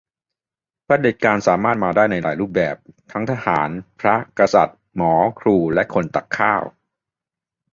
เผด็จการสามารถมาได้ในหลายรูปแบบ ทั้งทหาร พระ กษัตริย์ หมอ ครู และคนตักข้าว